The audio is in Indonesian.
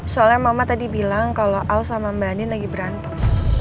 soalnya mama tadi bilang kalau al sama mbak nin lagi berantem